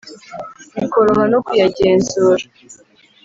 bikoroha no kuyagenzura